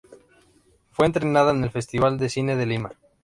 Fue estrenada en el Festival de Cine de Lima.